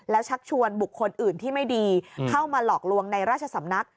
แล้วชักชวนบุคคลอื่นที่ไม่ดีเข้ามาหลอกลวงในราชสำนัก